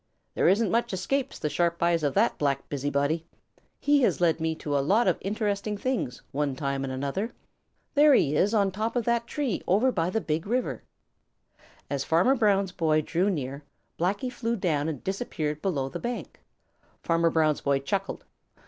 There isn't much escapes the sharp eyes of that black busybody. He has led me to a lot of interesting things, one time and another. There he is on the top of that tree over by the Big River." As Farmer Brown's boy drew near, Blacky flew down and disappeared below the bank. Fanner Brown's boy chuckled.